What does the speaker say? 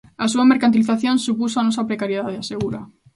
"A súa mercantilización supuxo a nosa precariedade", asegura.